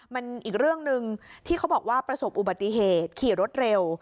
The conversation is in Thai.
มันอีกเรื่องหนึ่งที่เขาบอกว่าประสบอุบัติเหตุขี่รถเร็ว